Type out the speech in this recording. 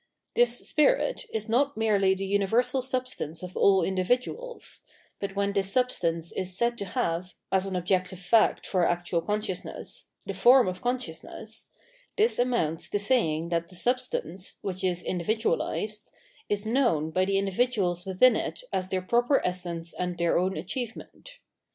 This spirit is not merely the universal substance of all individuals ; but when this substance is said to have, as an objective fact for actual consciousness, the form of consciousness, this amounts to saying that the substance, which is individuahsed, is known by the individuals within it as their proper essence and their own achievement.